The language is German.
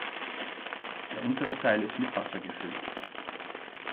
Der untere Teil ist mit Wasser gefüllt.